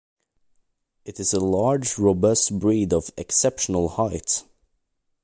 It is a large, robust breed of exceptional height.